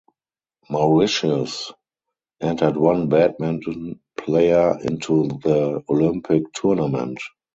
Mauritius entered one badminton player into the Olympic tournament.